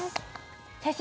先生。